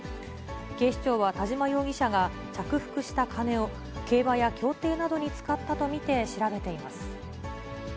警視庁は田嶋容疑者が着服した金を、競馬や競艇などに使ったと見て、調べています。